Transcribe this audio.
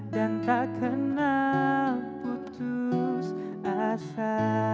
dan tak kenal putus asa